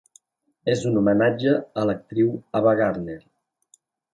És un homenatge a l’actriu Ava Gardner.